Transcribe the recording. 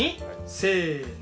せの。